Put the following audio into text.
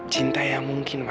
cinta yang mungkin ma